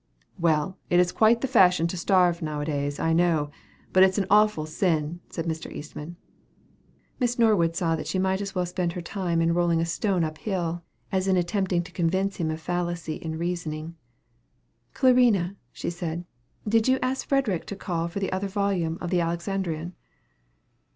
"Well, it is quite the fashion to starve, now a days, I know; but it is an awful sin," said Mr. Eastman. Miss Norwood saw that she might as well spend her time in rolling a stone up hill, as in attempting to convince him of fallacy in reasoning. "Clarina," said she, "did you ask Frederic to call for the other volume of the 'Alexandrian?'"